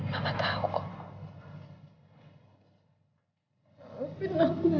mama tau kok